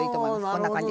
こんな感じ。